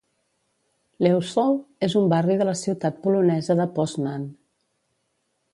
Leussow és un barri de la ciutat polonesa de Poznan.